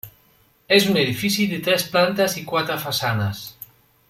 És un edifici de tres plantes i quatre façanes.